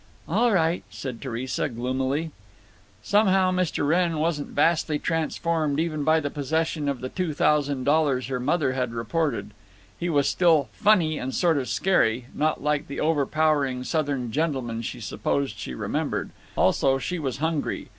"All right," said Theresa, gloomily. Somehow Mr. Wrenn wasn't vastly transformed even by the possession of the two thousand dollars her mother had reported. He was still "funny and sort of scary," not like the overpowering Southern gentlemen she supposed she remembered. Also, she was hungry.